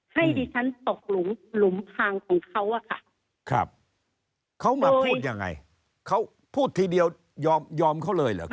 ให้ดิฉันตกหลุมทางของเขาอะค่ะครับเขามาพูดยังไงเขาพูดทีเดียวยอมเขาเลยเหรอครับ